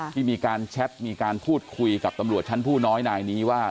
ที่มีการแชทมีการพูดคุยกับตำรวจชั้นผู้น้อยนายนี้ว่า